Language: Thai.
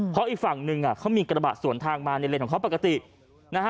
เพราะอีกฝั่งหนึ่งเขามีกระบะสวนทางมาในเลนของเขาปกตินะฮะ